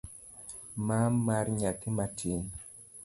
Ma mar nyathi matin.